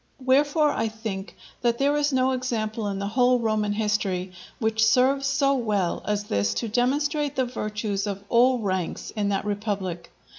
Wherefore, I think, that there is no example in the whole Roman history which serves so well as this to demonstrate the virtues of all ranks in that republic.